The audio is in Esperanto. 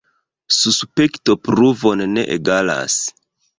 Suspekto pruvon ne egalas.